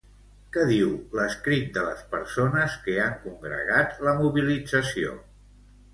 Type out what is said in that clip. Què diu lescrit de les persones que han congregat la mobilització?